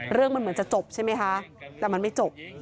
เรื่องมันเหมือนจะจบใช่ไหมคะแต่มันไม่จบ